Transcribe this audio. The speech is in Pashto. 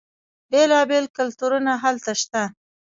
بیلا بیل کلتورونه هلته شته.